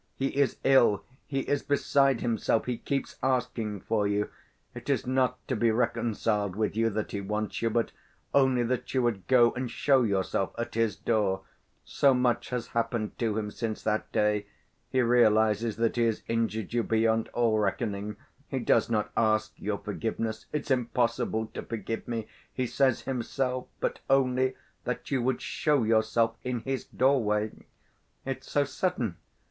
He is ill, he is beside himself, he keeps asking for you. It is not to be reconciled with you that he wants you, but only that you would go and show yourself at his door. So much has happened to him since that day. He realizes that he has injured you beyond all reckoning. He does not ask your forgiveness—'It's impossible to forgive me,' he says himself—but only that you would show yourself in his doorway." "It's so sudden...."